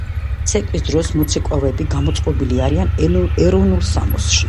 ცეკვის დროს მოცეკვავეები გამოწყობილი არიან ეროვნულ სამოსში.